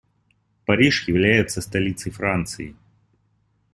Париж является столицей Франции.